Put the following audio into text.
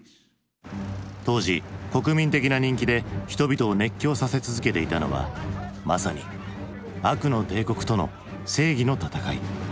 当時国民的な人気で人々を熱狂させ続けていたのはまさに悪の帝国との正義の戦い。